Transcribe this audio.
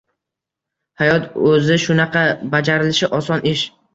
Hayot o’zi shunaqa – bajarilishi oson ish.